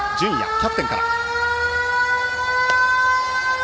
キャプテンから。